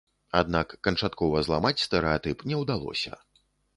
Аднак канчаткова зламаць стэрэатып не ўдалося.